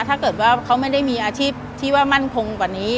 ถ้าเกิดว่าเขาไม่ได้มีอาชีพที่ว่ามั่นคงกว่านี้